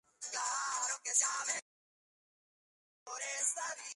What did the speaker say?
Tristan empezó a actuar a la edad de siete años.